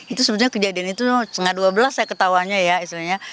itu sebenarnya kejadian itu setengah dua belas ya ketahuannya ya istilahnya